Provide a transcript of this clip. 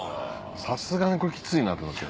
さすがにこれきついなと思って。